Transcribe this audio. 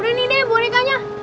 udah nih deh bonekanya